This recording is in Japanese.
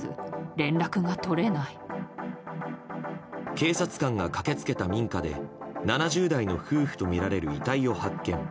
警察官が駆け付けた民家で７０代の夫婦とみられる遺体を発見。